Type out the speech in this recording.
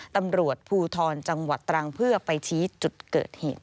ตำรวจภูทรจังหวัดตรังเพื่อไปชี้จุดเกิดเหตุ